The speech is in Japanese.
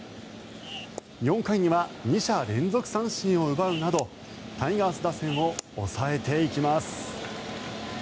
４回には２者連続三振を奪うなどタイガース打線を抑えていきます。